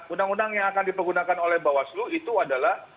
undang undang yang akan dipergunakan oleh bawaslu itu adalah